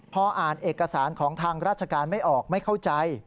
พออ่านเอกสารของทางราชการไม่ออกไม่เข้าใจ